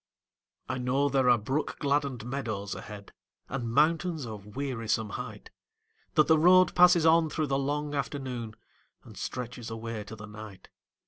I know there are brook gladdened meadows ahead, And mountains of wearisome height; That the road passes on through the long afternoon And stretches away to the night.